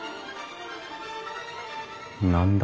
何だ？